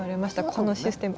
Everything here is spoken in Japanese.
このシステム。